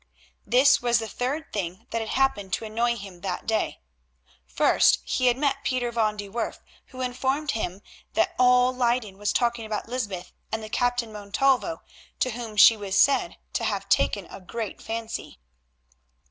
This was the third thing that had happened to annoy him that day. First he had met Pieter van de Werff, who informed him that all Leyden was talking about Lysbeth and the Captain Montalvo, to whom she was said to have taken a great fancy.